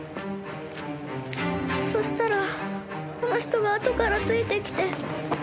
そしたらこの人があとからついてきて。